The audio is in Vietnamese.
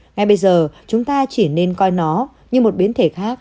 ngay bây giờ chúng ta chỉ nên coi nó như một biến thể khác